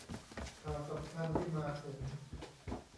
ข่าวสำคัญที่มาถึง